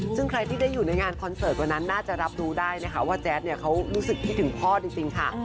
ซึ่งใครที่ได้อยู่ในงานคอนเสิร์ตวันนั้นน่าจะรับรู้ได้นะคะว่าแจ๊ดเนี่ยเขารู้สึกคิดถึงพ่อจริงค่ะ